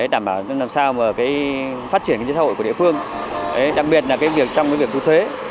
đảm bảo làm sao mà cái phát triển kinh tế xã hội của địa phương đặc biệt là cái việc trong cái việc thu thuế